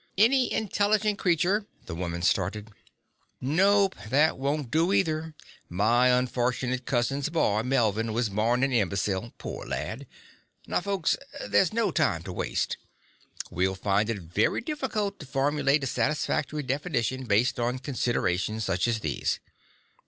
"Any intelligent creature " the woman started. "Nope, that won't do, either; my unfortunate cousin's boy Melvin was born an imbecile, poor lad. Now, folks, there's no time to waste. We'll find it very difficult to formulate a satisfactory definition based on considerations such as these.